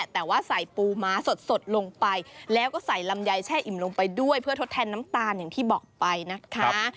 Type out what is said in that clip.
แต่ว่าใส่ปูม้าสดลงไปแล้วก็ใส่ลำไยแช่อิ่มลงไปด้วยเพื่อทดแทนน้ำตาลอย่างที่บอกไปนะคะ